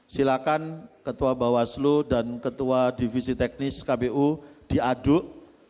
silakan ketua bawaslu dan ketua divisi teknis kpu diaduk